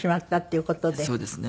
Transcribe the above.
そうですね。